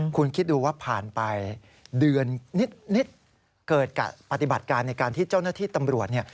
คุณคิดดูว่าผ่านไปเดือนนิดเกิดกับปฏิบัติการในการที่เจ้าหน้าที่ตำรวจเนี่ย